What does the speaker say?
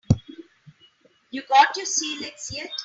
You got your sea legs yet?